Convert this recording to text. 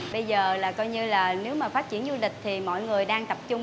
bây giờ là coi như là nếu mà phát triển du lịch thì mọi người đang tập trung